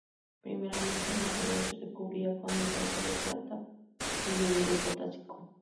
Primeramente, el material se recubría con nitrato de plata y yoduro potásico.